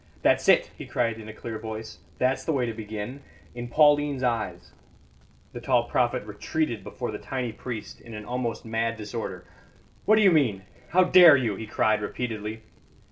"That's it!" he cried in a clear voice. "That's the way to begin. In Pauline's eyes " The tall prophet retreated before the tiny priest in an almost mad disorder. "What do you mean? How dare you?" he cried repeatedly.